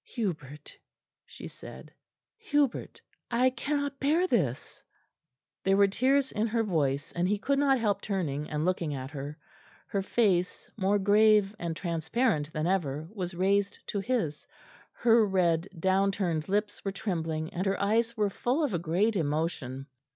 "Hubert," she said, "Hubert, I cannot bear this." There were tears in her voice, and he could not help turning and looking at her. Her face, more grave and transparent than ever, was raised to his; her red down turned lips were trembling, and her eyes were full of a great emotion.